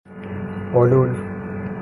حلول